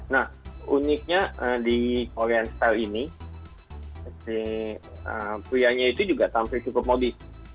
nah uniknya di korean style ini si prianya itu juga tampil cukup modis